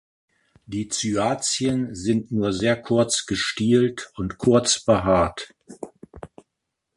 Die Cyathien sind nur sehr kurz gestielt und kurz behaart.